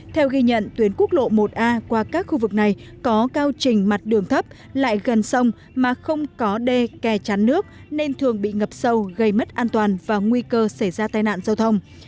theo ghi nhận tuyến quốc lộ một a qua các khu vực này có cao trình mặt đường thấp lại gần sông mà không có đê kè chắn nước nên thường bị ngập sâu gây mất an toàn và nguy cơ xảy ra tai nạn giao thông